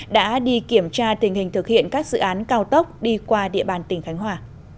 đã đi kiểm tra tình hình thực hiện các dự án cao tốc đi qua địa bàn tỉnh khánh hòa